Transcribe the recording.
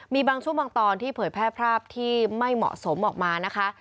มีบางช่วงบางตอนที่เผยแพร่ภาพที่ไม่เหมาะสมออกมานะคะ